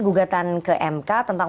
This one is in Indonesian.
gugatan ke mk tentang